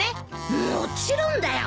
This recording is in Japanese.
もちろんだよ。